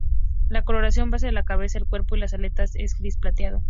La coloración base de la cabeza, el cuerpo y las aletas, es gris plateado.